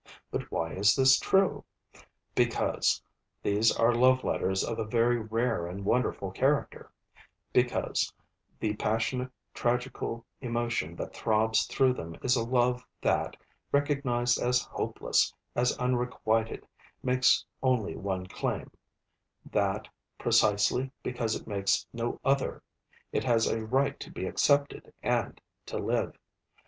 But why is this true? Because these are love letters of a very rare and wonderful character; because the passionate tragical emotion that throbs through them is a love that, recognised as hopeless, as unrequited, makes only one claim; that, precisely because it makes no other, it has a right to be accepted and to live.